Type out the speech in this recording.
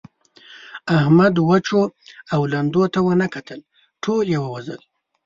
احمد وچو او لندو ته و نه کتل؛ ټول يې ووژل.